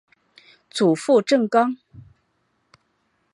祖父郑刚。